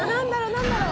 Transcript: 何だろう？